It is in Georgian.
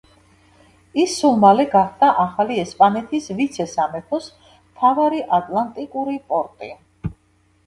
იგი სულ მალე გახდა ახალი ესპანეთის ვიცე-სამეფოს მთავარი ატლანტიკური პორტი.